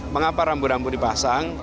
mengapa rambu rambu dipasang